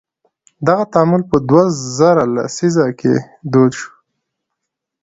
دغه تعامل په دوه زره لسیزه کې دود شو.